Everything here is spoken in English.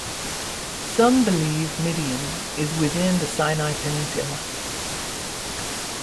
Some believe Midian is within the Sinai Peninsula.